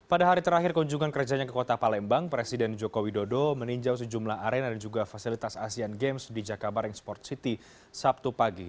pada hari terakhir kunjungan kerjanya ke kota palembang presiden joko widodo meninjau sejumlah arena dan juga fasilitas asian games di jakabaring sport city sabtu pagi